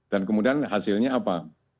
dan kemudian hasilnya apa